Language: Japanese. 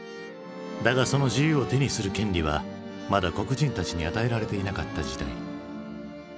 だがその自由を手にする権利はまだ黒人たちに与えられていなかった時代。